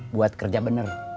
buat kerja bener